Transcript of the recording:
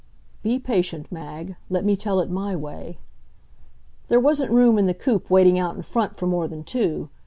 "Be patient, Mag; let me tell it my way." There wasn't room in the coupe waiting out in front for more than two.